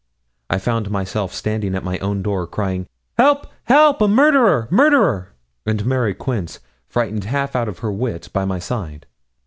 I found myself standing at my own door, crying, 'Help, help! murder! murder!' and Mary Quince, frightened half out of her wits, by my side.